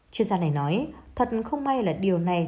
chuyên gia này nói thật không may là điều này